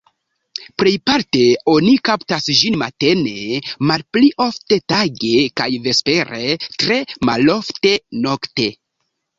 Plejparte oni kaptas ĝin matene, malpli ofte tage kaj vespere, tre malofte nokte.